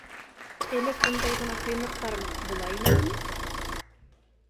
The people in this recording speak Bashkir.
Элек бындай ғына ҡыйынлыҡтар була инеме ни?